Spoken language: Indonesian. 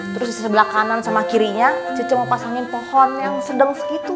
terus di sebelah kanan sama kirinya cici mau pasangin pohon yang sedang segitu